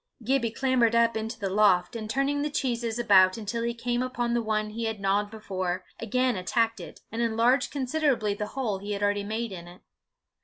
Gibbie clambered up into the loft, and turning the cheeses about until he came upon the one he had gnawed before, again attacked it, and enlarged considerably the hole he had already made in it.